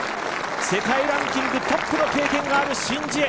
世界ランキングトップの経験があるシン・ジエ。